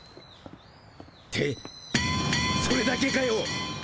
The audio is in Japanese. てそれだけかよ。